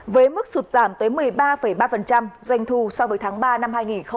với mức sụt giảm tới một mươi ba ba doanh thu so với tháng ba năm hai nghìn hai mươi